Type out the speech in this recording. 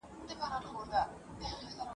که واړه دي که لویان پر تا سپرېږي ..